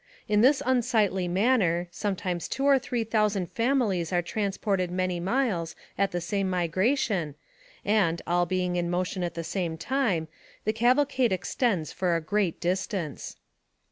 In this unsightly manner, some times two or three thousand families are transported many miles at the same migration, and, all being in motion at the same time, the cavalcade extends for a great distance.